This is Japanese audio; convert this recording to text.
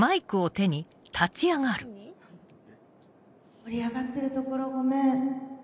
盛り上がってるところごめん。